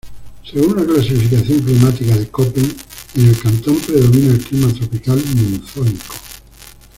Según la clasificación climática de Köppen en el cantón predomina el clima Tropical Monzónico.